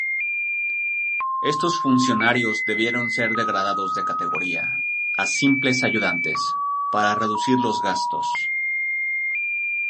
Estos funcionarios debieron ser degradados de categoría, a simples ayudantes, para reducir los gastos.